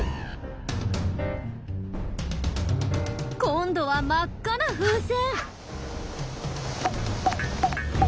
今度は真っ赤な風船！